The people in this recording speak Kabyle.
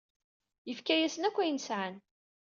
Yefka-yasent akk ayen yesɛa.